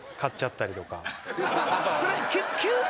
それ急に？